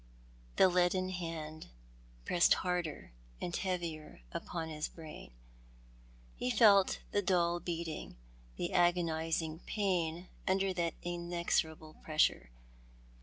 The leaden hand pressed harder and heavier upon his brain. He felt the dull beating, the agonising pain under that in exorable pressure.